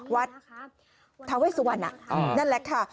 วัดเทาเวสวันนั่นแหละค่ะ